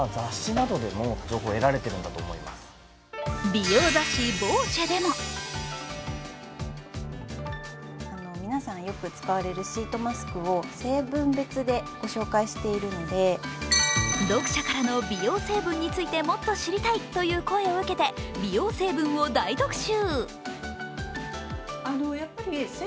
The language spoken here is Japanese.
美容雑誌「ＶＯＣＥ」でも読者からの美容成分についてもっと知りたいという声を受けて美容成分を大特集。